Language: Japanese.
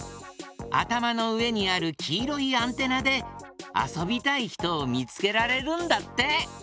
あたまのうえにあるきいろいアンテナであそびたいひとをみつけられるんだって。